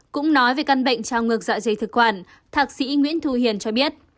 cũng nói về căn bệnh trao ngược dạ dây thực quản thạc sĩ nguyễn thù hiền cho biết